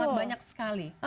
sangat banyak sekali